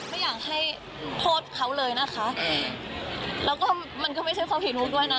ไม่อยากให้โทษเขาเลยนะคะแล้วก็มันก็ไม่ใช่ความผิดลูกด้วยนะ